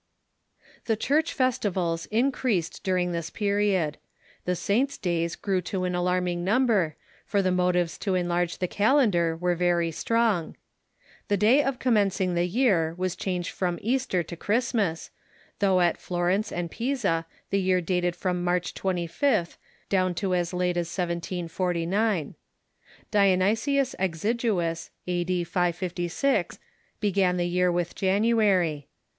The Church festivals increased during this period. The saints' days grew to an alarming number, for the motives to enlarge the calendar were very strong. The day of ^p"*^ commencing the year was changed from Easter to Christmas, though at Florence and Pisa the year dated from March 25th down to as late as 1749. Dionysius Exiguus, A.D. 556, began the year Avith January.